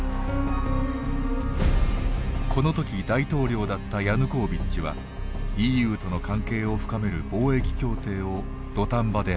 この時大統領だったヤヌコービッチはＥＵとの関係を深める貿易協定を土壇場で破棄。